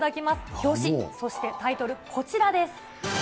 表紙、そしてタイトル、こちらです。